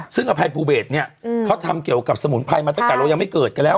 ซึ่งอภัยภูเบสเนี่ยเขาทำเกี่ยวกับสมุนไพรมาตั้งแต่เรายังไม่เกิดกันแล้ว